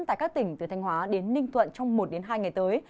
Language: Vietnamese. tại các tỉnh từ thanh hóa đến ninh thuận trong một hai ngày tới